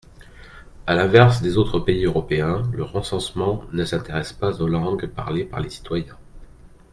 À l’inverse des autres pays européens, le recensement ne s’intéresse pas aux langues parlées par les citoyens.